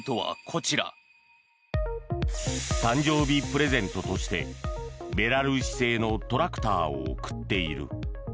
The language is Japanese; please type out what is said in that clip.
誕生日プレゼントとしてベラルーシ製のトラクターを贈っている。